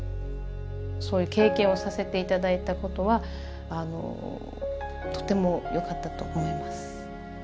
そういう経験をさせて頂いたことはとてもよかったと思います。